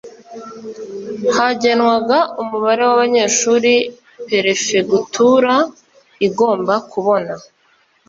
hagenwaga umubare w'abanyeshuri perefegitura igomba kubona